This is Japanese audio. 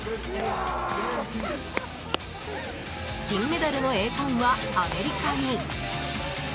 金メダルの栄冠はアメリカに！